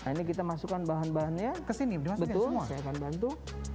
ini kita masukkan bahan bahannya ke sini saya akan bantu